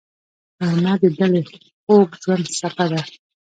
غرمه د دلي خوږ ژوند څپه ده